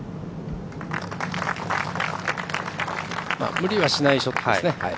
無理はしないショットです。